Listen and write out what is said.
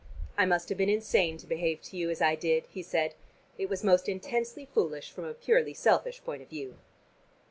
"I must have been insane to behave to you as I did," he said. "It was most intensely foolish from a purely selfish point of view."